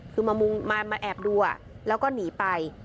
คือมาแอบดูแล้วก็หนีไป